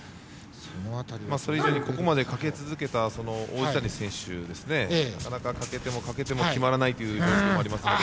それ以前に、ここまでかけ続けた王子谷選手はなかなか、かけてもかけても決まらない状況もありますので。